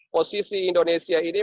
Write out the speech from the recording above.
posisi indonesia ini